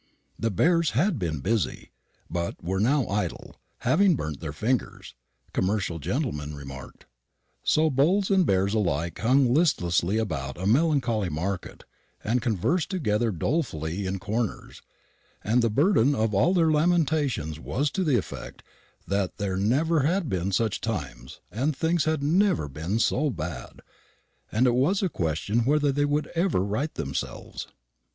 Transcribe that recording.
The Bears had been busy, but were now idle having burnt their fingers, commercial gentlemen remarked. So Bulls and Bears alike hung listlessly about a melancholy market, and conversed together dolefully in corners; and the burden of all their lamentations was to the effect that there never had been such times, and things never had been so bad, and it was a question whether they would ever right themselves.